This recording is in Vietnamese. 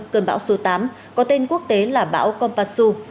cơn bão số tám có tên quốc tế là bão kompasu